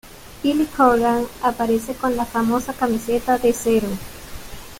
Billy Corgan aparece con la famosa camiseta de Zero.